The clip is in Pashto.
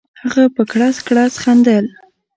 هغه په کړس کړس خندل.